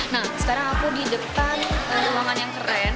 nah sekarang aku di depan ruangan yang keren